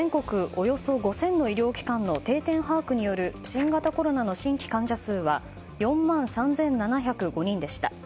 およそ５０００の医療機関の定点把握による新型コロナの新規患者数は４万３７０５人でした。